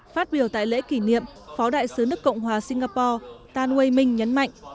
phát biểu tại lễ kỷ niệm phó đại sứ nước cộng hòa singapore tan wei ming nhấn mạnh